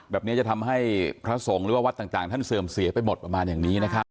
แบบนี้จะทำให้พระสงฆ์หรือว่าวัดต่างท่านเสื่อมเสียไปหมดประมาณอย่างนี้นะครับ